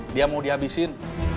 dia mau dihabisin